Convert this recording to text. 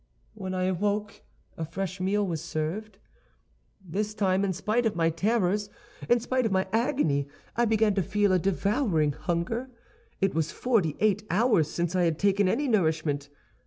"When I awoke, a fresh meal was served. "This time, in spite of my terrors, in spite of my agony, I began to feel a devouring hunger. It was forty eight hours since I had taken any nourishment.